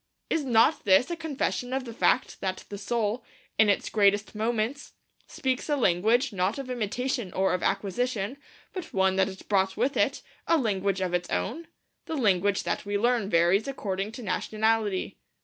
Is not this a confession of the fact that the soul, in its greatest moments, speaks a language, not of imitation or of acquisition, but one that it brought with it, a language of its own? The language that we learn varies according to nationality.